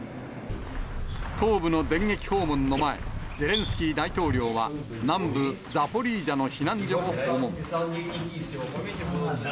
東部の電撃訪問の前、ゼレンスキー大統領は、南部ザポリージャの避難所を訪問。